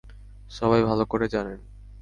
সবাই ভালো করে জানেন।